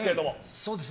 そうですね。